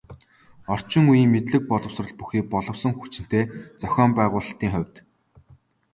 Орчин үеийн мэдлэг боловсрол бүхий боловсон хүчинтэй, зохион байгуулалтын хувьд бусдыгаа төлөөлж чадахуйц юм.